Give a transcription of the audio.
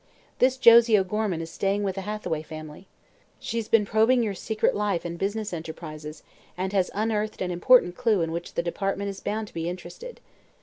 This Josie O'Gorman is staying with the Hathaway family. She's been probing your secret life and business enterprises and has unearthed an important clew in which the department is bound to be interested.